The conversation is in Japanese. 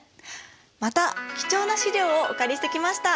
また貴重な資料をお借りしてきました。